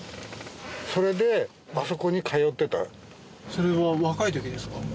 それは若いときですか？